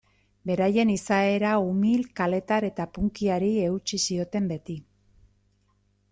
Beraien izaera umil, kaletar eta punkyari eutsi zioten beti.